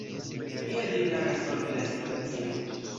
Kiel vi planas solvi la situacion?